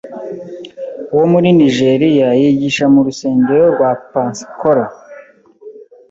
wo muri Nijeriya yigisha mu rusengero rwa Pensacola